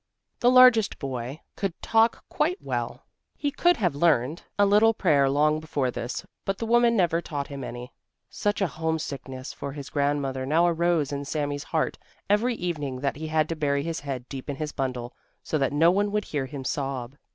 The largest boy could talk quite well. He could have learned a little prayer long before this, but the woman never taught him any. Such a homesickness for his grandmother now arose in Sami's heart every evening that he had to bury his head deep in his bundle, so that no one would hear him sob.